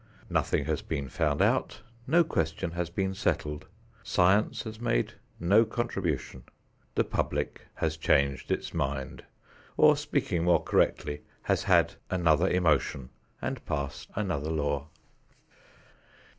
Nothing has been found out; no question has been settled; science has made no contribution; the public has changed its mind, or, speaking more correctly, has had another emotion and passed another law.